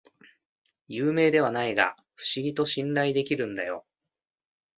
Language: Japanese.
有名ではないが不思議と信頼できるんだよ